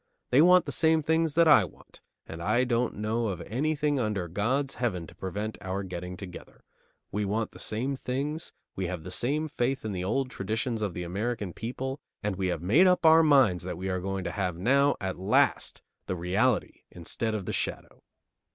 They want the same things that I want, and I don't know of anything under God's heaven to prevent our getting together. We want the same things, we have the same faith in the old traditions of the American people, and we have made up our minds that we are going to have now at last the reality instead of the shadow."